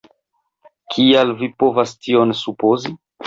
kial vi povas tion supozi?